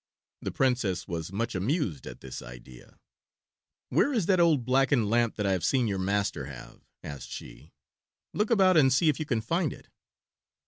The Princess was much amused at this idea. "Where is that old blackened lamp that I have seen your master have?" asked she. "Look about and see if you can find it?"